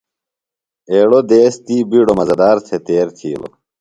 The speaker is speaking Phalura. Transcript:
ایڑوۡ دیس تی بِیڈوۡ مزہ دار تھےۡ تیر تِھیلوۡ۔